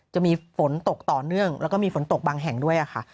จะมีฝนตกต่อเนื่องแล้วก็มีฝนตกบางแห่งด้วยค่ะ